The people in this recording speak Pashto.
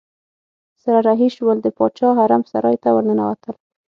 سره رهي شول د باچا حرم سرای ته ورننوتل.